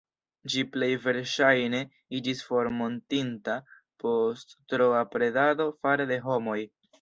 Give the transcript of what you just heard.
Ĝi plej verŝajne iĝis formortinta post troa predado fare de homoj.